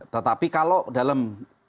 tetapi kalau dalam